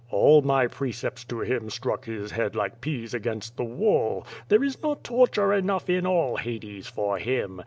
All my precepts to him struck his head like peas against the wall. There is not tor ture enough in all Hades for him.